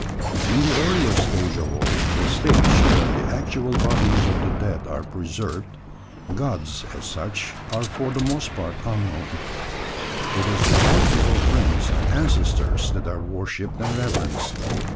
In the earlier stage of all the stage where the actual bodies of the dead are preserved gods, as such, are for the most part unknown: it is the corpses of friends and ancestors that are worshipped and reverenced.